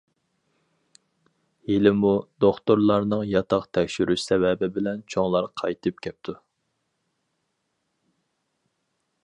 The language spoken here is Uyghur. ھېلىمۇ، دوختۇرلارنىڭ ياتاق تەكشۈرۈش سەۋەبى بىلەن چوڭلار قايتىپ كەپتۇ.